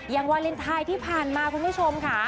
วาเลนไทยที่ผ่านมาคุณผู้ชมค่ะ